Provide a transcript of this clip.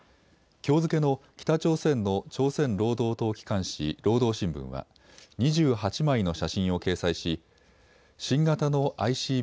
きょう付けの北朝鮮の朝鮮労働党機関紙、労働新聞は２８枚の写真を掲載し新型のＩＣＢＭ